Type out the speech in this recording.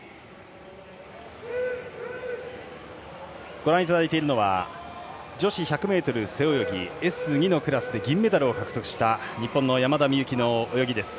ご覧いただいているのは女子１００ｍ背泳ぎＳ２のクラスで銀メダルを獲得した日本の山田美幸の泳ぎです。